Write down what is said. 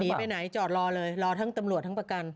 หนีไปไหนจอดรอเลยรอทั้งตำรวจทั้งประกัน